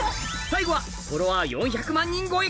最後はフォロワー４００万人超え